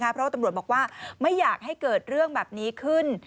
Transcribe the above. เพราะว่าตำรวจบอกว่าไม่อยากให้เกิดเรื่องแบบนี้ขึ้น